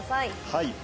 はい。